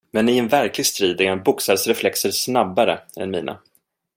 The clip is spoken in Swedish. Men i en verklig strid är en boxares reflexer snabbare än mina.